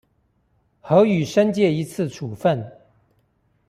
核予申誡一次處分